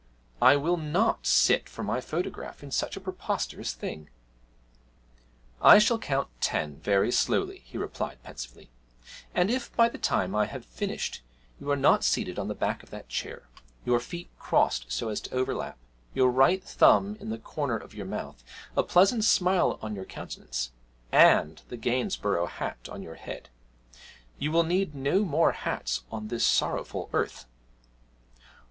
I will not sit for my photograph in such a preposterous thing!' 'I shall count ten very slowly,' he replied pensively, 'and if by the time I have finished you are not seated on the back of that chair, your feet crossed so as to overlap, your right thumb in the corner of your mouth, a pleasant smile on your countenance, and the Gainsborough hat on your head, you will need no more hats on this sorrowful earth.